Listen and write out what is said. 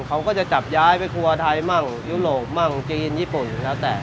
เขาก็จะจับย้ายไปครัวไทยมั่งยุโรปมั่งจีนญี่ปุ่นแล้วแต่